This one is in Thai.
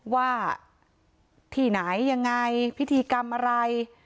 ว่าที่ไหนยังไงพิธีกรรมอะไร